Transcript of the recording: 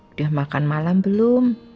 udah makan malam belum